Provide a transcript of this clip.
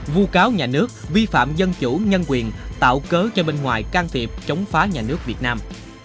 vô cáo nhà nước vi phạm dân chủ nhân quyền tạo cớ cho bên ngoài can thiệp chống phá nhà nước việt nam